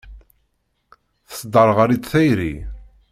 Tesderɣel-itt tayri.